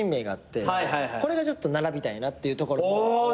これがちょっと並びたいなっていうところ。